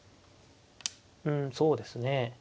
うんそうですね。